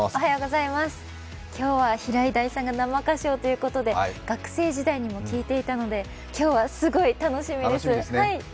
今日は平井大さんが生歌唱ということで学生時代にも聴いていたので今日はすごい楽しみです。